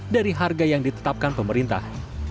dari harga yang ditetapkan pemerintah